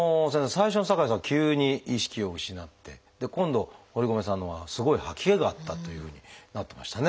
最初の酒井さんは急に意識を失ってで今度堀米さんのほうはすごい吐き気があったというふうになってましたね。